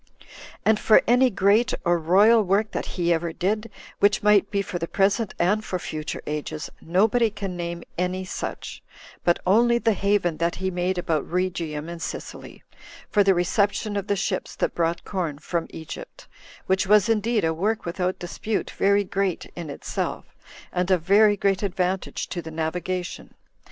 And for any great or royal work that he ever did, which might be for the present and for future ages, nobody can name any such, but only the haven that he made about Rhegium and Sicily, for the reception of the ships that brought corn from Egypt; which was indeed a work without dispute very great in itself, and of very great advantage to the navigation.